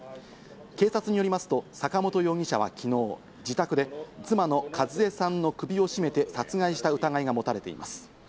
警察によりますと坂本容疑者は昨日、自宅で妻の数江さんの首を絞めて殺害した疑いが持たれています。